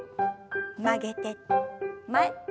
曲げて前。